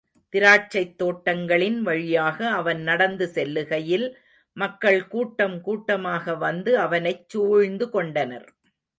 திராட்சைத் தோட்டங்களின் வழியாக அவன் நடந்து செல்லுகையில், மக்கள் கூட்டம் கூட்டமாக வந்து அவனைச் சூழ்ந்துகொண்டனர்.